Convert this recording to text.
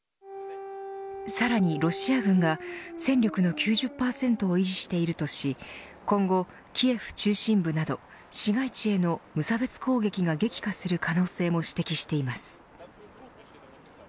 さらにロシア軍が戦力の９０％を維持しているとし今後、キエフ中心部など市街地への無差別攻撃が激化する可能性も指摘しています。